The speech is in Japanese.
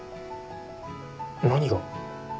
何が？